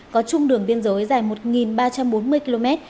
có chung đường biên giới dài một ba trăm bốn mươi km